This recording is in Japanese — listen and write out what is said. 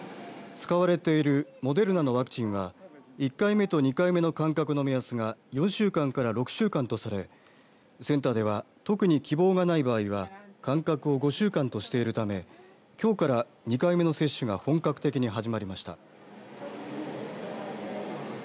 使われているモデルナのワクチンは１回目と２回目の間隔の目安が４週間から６週間とされセンターでは特に希望がない場合は間隔を５週間としているためきょうから２回目の接種が本格的に始まりました。